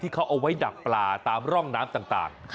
เขาเอาไว้ดักปลาตามร่องน้ำต่าง